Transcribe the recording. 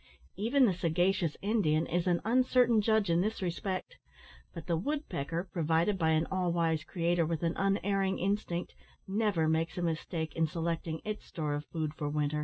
Even the sagacious Indian is an uncertain judge in this respect, but the woodpecker, provided by an all wise Creator with an unerring instinct, never makes a mistake in selecting its store of food for winter.